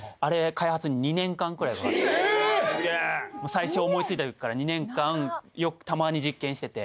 最初思いついた時から２年間たまに実験してて。